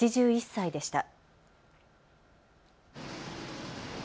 ８１歳でした。